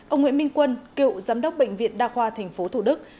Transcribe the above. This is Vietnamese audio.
ông nguyễn minh quân cựu giám đốc bệnh viện đa khoa tp thủ đức